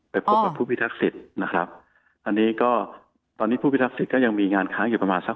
ไปพบกับผู้พิทักษิตนะครับ